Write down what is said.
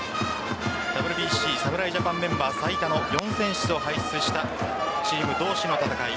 ＷＢＣ・侍ＪＡＰＡＮメンバー最多の４選手を輩出したチーム同士の戦い。